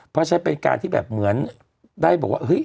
เพราะฉะนั้นเป็นการที่แบบเหมือนได้บอกว่าเฮ้ย